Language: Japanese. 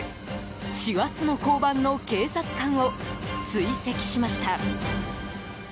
師走の交番の警察官を追跡しました。